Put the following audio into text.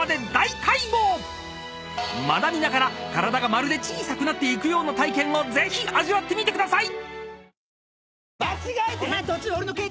［学びながら体がまるで小さくなっていくような体験をぜひ味わってみてください！］